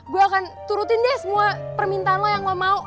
gue akan turutin deh semua permintaan lo yang lo mau